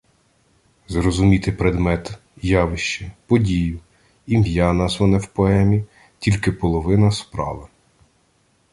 Зрозуміти предмет, явище, подію, ім'я, назване в поемі, — тільки половина справи.